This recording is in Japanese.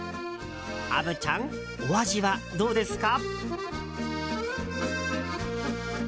虻ちゃん、お味はどうですか？